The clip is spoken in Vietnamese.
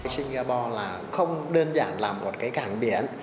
singapore không đơn giản là một cảng biển